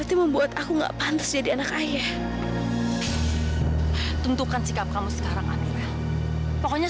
sampai jumpa di video selanjutnya